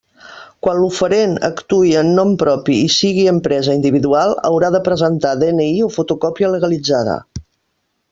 Quan l'oferent actue en nom propi i siga empresa individual, haurà de presentar DNI o fotocòpia legalitzada.